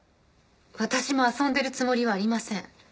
私も遊んでるつもりはありません。